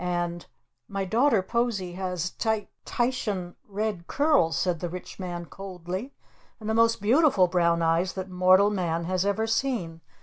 And " "My daughter Posie has Ti Titian red curls," said the Rich Man coldly. "And the most beautiful brown eyes that mortal man has ever seen!